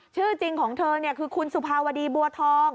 ชื่อจริงของเธอคือคุณสุภาวดีบัวทอง